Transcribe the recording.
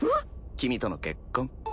君との結婚。